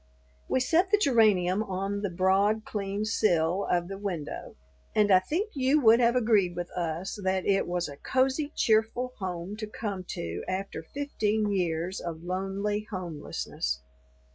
We set the geranium on the broad clean sill of the window, and I think you would have agreed with us that it was a cozy, cheerful home to come to after fifteen years of lonely homelessness.